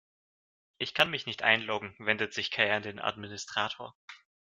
Ich kann mich nicht einloggen, wendet sich Kai an den Administrator.